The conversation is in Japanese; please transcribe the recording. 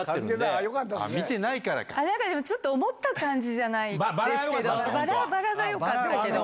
でもちょっと思った感じじゃないですけど。